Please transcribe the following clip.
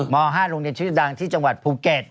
ม๕โรงเรียนชื่อดังที่จังหวัดภูเก็ต